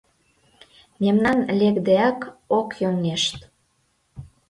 Мемнан лекдеак ок йоҥгешт.